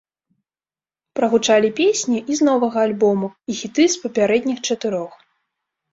Прагучалі песні і з новага альбому, і хіты з папярэдніх чатырох.